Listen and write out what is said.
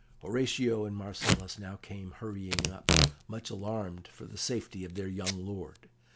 Horatio and Marcellus now came hurrying up, much alarmed for the safety of their young lord.